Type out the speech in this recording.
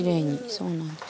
そうなんです。